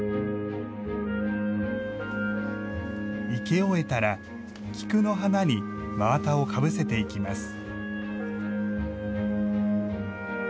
生け終えたら菊の花に真綿を被せていきます。